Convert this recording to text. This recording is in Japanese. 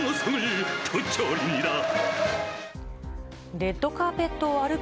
レッドカーペットを歩く